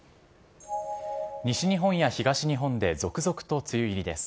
西日本や東日本で続々と梅雨入りです。